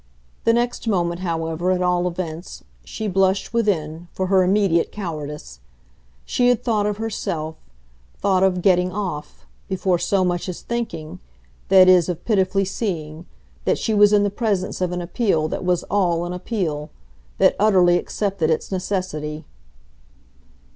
The next moment, however, at all events, she blushed, within, for her immediate cowardice: she had thought of herself, thought of "getting off," before so much as thinking that is of pitifully seeing that she was in presence of an appeal that was ALL an appeal, that utterly accepted its necessity.